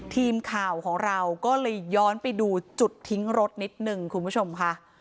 ทีมข่าวของเราก็เลยย้อนไปดูจุดทิ้งรถนิดหนึ่งคุณผู้ชมค่ะ